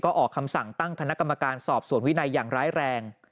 ออกคำสั่งตั้งคณะกรรมการสอบสวนวินัยอย่างร้ายแรง